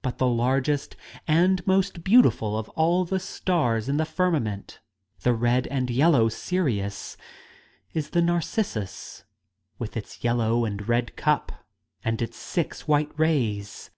But the largest and most beautiful of all the \ BCENum THE SPOOK SONATA 139 stars in the firmament, the red and yellow Sirius, is the nar cissus, with its yellow and red cup and its six white rays.